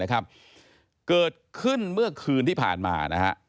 เกิดขึ้นเมื่อคืนที่ผ่านมานะฮะ